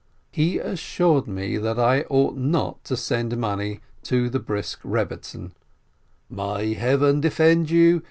He assured me that I ought not to send money to the Brisk Rebbetzin, "May Heaven defend you